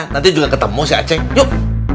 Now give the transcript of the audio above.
nanti juga ketemu si aceng yuk